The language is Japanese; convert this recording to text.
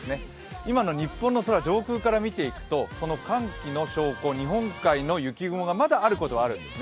今の日本の空、上空から見ていくと寒気の証拠、日本海の雪雲はまだあることはあるんですね。